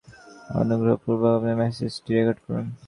অনুগ্রহপূর্বক আপনার ম্যাসেজটি রেকর্ড করুন।